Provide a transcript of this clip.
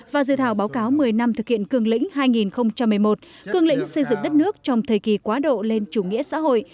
và dự thảo báo cáo một mươi năm thực hiện cường lĩnh hai nghìn một mươi một cường lĩnh xây dựng đất nước trong thời kỳ quá độ lên chủ nghĩa xã hội